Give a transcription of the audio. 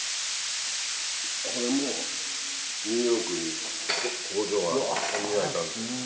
これもニューヨークに工場がある磨いたの。